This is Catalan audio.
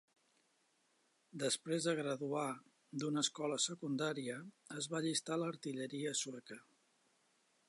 Després de graduar d'una escola secundària es va allistar a l'artilleria sueca.